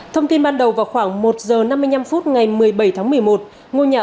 thông tin ban đầu vào khoảng một giờ năm mươi năm phút ngày một mươi bảy tháng một mươi một